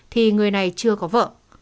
thì người này chưa có vợ